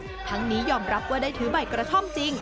ทั้งนี้ยอมรับว่าได้ถือใบกระท่อมจริง